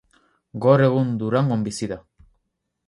Gaur egun Durangon bizi da.